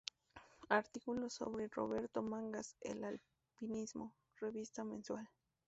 Artículo sobre Roberto Mangas en "Alpinismo", revista mensual.